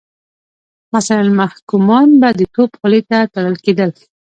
مثلا محکومان به د توپ خولې ته تړل کېدل.